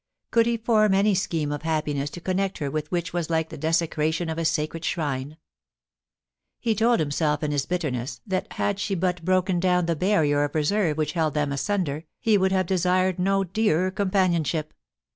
Could he form any scheme of happiness to connect her with which was like the desecration of a sacred shrine ? He told himself in his bitterness that had she but broken down the barrier of reserve which held them asunder> he would have desired no dearer companionship.